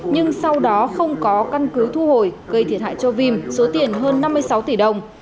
nhưng sau đó không có căn cứ thu hồi gây thiệt hại cho vim số tiền hơn năm mươi sáu tỷ đồng